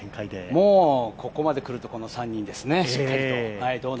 もう、ここまでくるとこの３人ですね、しっかりと。